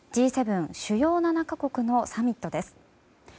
主要７か国のサミットです。